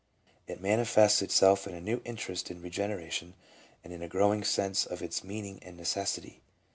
It manifests itself in a new interest in Eegeneration and in a growing sense of its meaning and necessity.